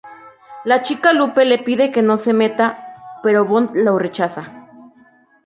La chica Lupe le pide que no se meta, pero Bond lo rechaza.